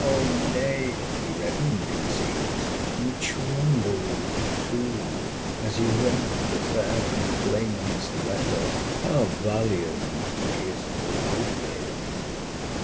Nay, he reddened, it seems: and trembled too! as he read the fair complainant's letter.—How valiant is all this!